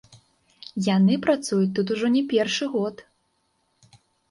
Яны працуюць тут ужо не першы год.